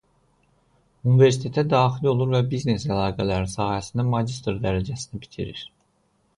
Universitetə daxil olur və "Biznes əlaqələri" sahəsində magistr dərəcəsini bitirir.